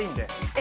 え？